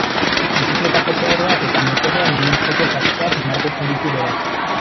Bizikletako koadroak eta motorrean ibilitzeko kaskoak margotzen ditu berak.